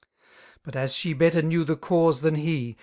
But as she better knew the cause than he.